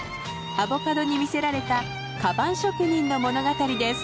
アボカドに魅せられたカバン職人の物語です。